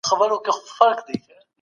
ګاونډی هیواد صادراتي توکي نه منع کوي.